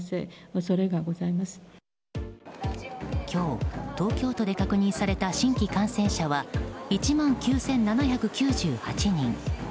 今日、東京都で確認された新規感染者は１万９７９８人。